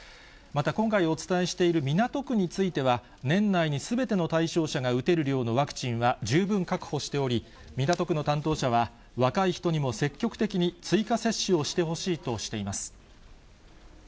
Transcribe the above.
また今回お伝えしている港区については、年内にすべての対象者が打てる量のワクチンは十分確保しており、港区の担当者は、若い人にも積極的に追加接種をしてほしいとしています。